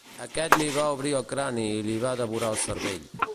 Aquest li va obrir el crani i li va devorar el cervell.